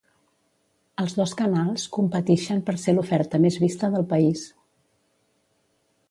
Els dos canals competixen per ser l'oferta més vista del país.